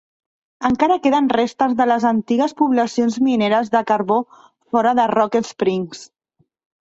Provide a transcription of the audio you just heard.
Encara queden restes de les antigues poblacions mineres de carbó fora de Rock Springs.